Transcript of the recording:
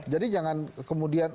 jadi jangan kemudian